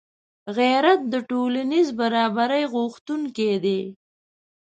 غیرت د ټولنیز برابري غوښتونکی دی